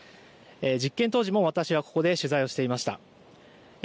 実験当時も私はここで取材をしていました。